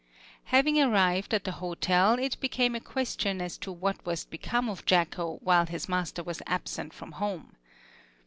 Having arrived at the hotel, it became a question as to what was to become of Jacko while his master was absent from home.